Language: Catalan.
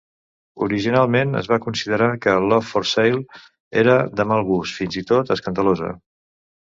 Originalment, es va considerar que "Love for Sale" era de mal gust, fins i tot escandalosa.